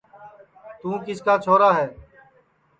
توں کِس کا چھورا ہے